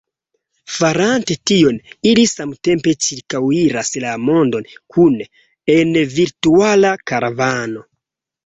Farante tion, ili samtempe ĉirkaŭiras la mondon kune, en virtuala karavano.